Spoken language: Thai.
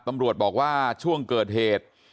ตำรวจบอกว่าช่วงเกิดเหตุ